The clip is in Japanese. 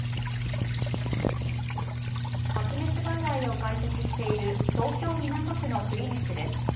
発熱外来を開設している東京港区のクリニックです。